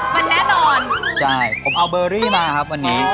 มันแน่นอนใช่ผมเอาเบอร์รี่มาครับวันนี้